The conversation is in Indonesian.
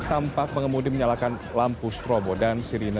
tampak pengemudi menyalakan lampu strobo dan sirine